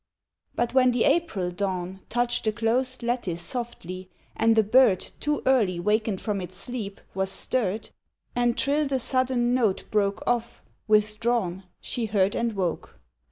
But when the April dawn Touched the closed lattice softly, and a bird, Too early wakened from its sleep, was stirred, And trilled a sudden note broke off, withdrawn, She heard and woke.